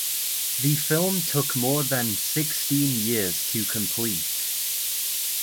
The film took more than sixteen years to complete.